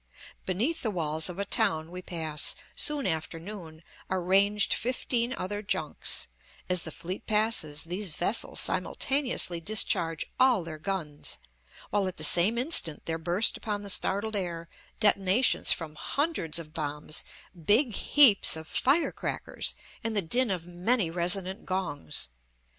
Beneath the walls of a town we pass soon after noon are ranged fifteen other junks; as the fleet passes, these vessels simultaneously discharge all their guns, while at the same instant there burst upon the startled air detonations from hundreds of bombs, big heaps of firecrackers, and the din of many resonant gongs.